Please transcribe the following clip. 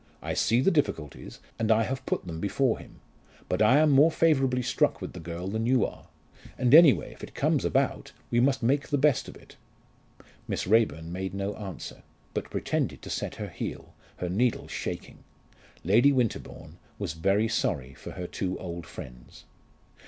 I see the difficulties, and I have put them before him. But I am more favourably struck with the girl than you are. And anyway, if it comes about, we must make the best of it." Miss Raeburn made no answer, but pretended to set her heel, her needles shaking. Lady Winterbourne was very sorry for her two old friends.